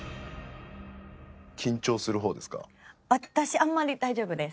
私あんまり大丈夫です。